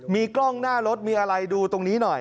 มีกล้องหน้ารถมีอะไรดูตรงนี้หน่อย